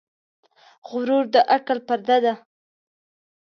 غرور د عقل پرده ده .